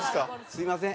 すみません。